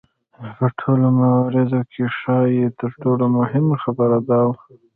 په ټولو مواردو کې ښايي تر ټولو مهمه خبره دا وه.